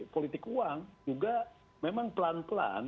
politik uang juga memang pelan pelan